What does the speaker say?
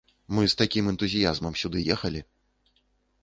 Мы з такім энтузіязмам сюды ехалі.